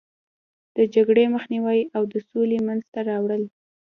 د جګړې مخنیوی او د سولې منځته راوړل.